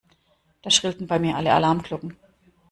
Da schrillten bei mir alle Alarmglocken.